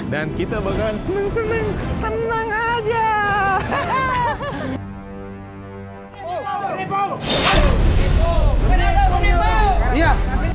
dan kita bakal seneng seneng tenang aja